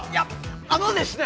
あのですね